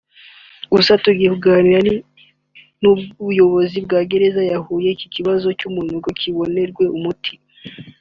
Gusa tugiye kuganira n’ubuyobozi bwa Gereza ya Huye iki kibazo cy’umunuko kibonerwe umuti”